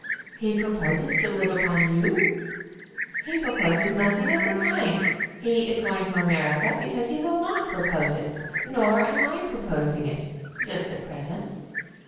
"He proposes to live upon you?" "He proposes nothing of the kind. He is going to America because he will not propose it. Nor am I proposing it, just at present."